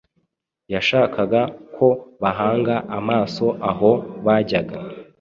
Yashakaga ko bahanga amaso aho bajyaga –